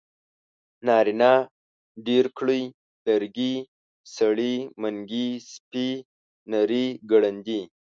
نارينه ډېرګړی ي لرګي سړي منګي سپي نري ګړندي